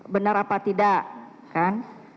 benar apa tidak kan